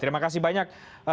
terima kasih banyak